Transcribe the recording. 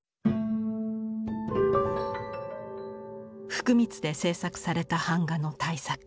福光で制作された板画の大作。